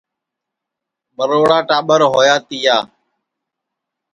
مروڑا ٹاٻر ہویا تِیا